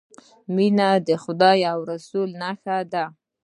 مینه د خدای او رسول ښه ده